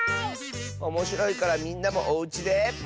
おもしろいからみんなもおうちで。